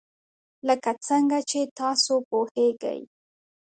لکه څنګه چې تاسو پوهیږئ.